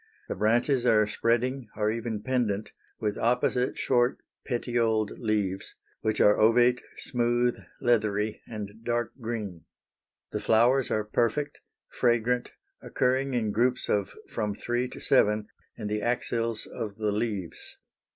The branches are spreading or even pendant with opposite short petioled leaves, which are ovate, smooth, leathery, and dark green. The flowers are perfect, fragrant, occurring in groups of from three to seven in the axils of the leaves.